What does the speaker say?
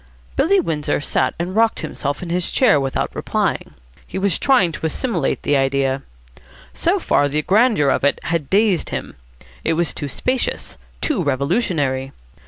Billy Windsor sat and rocked himself in his chair without replying. He was trying to assimilate this idea. So far the grandeur of it had dazed him. It was too spacious, too revolutionary.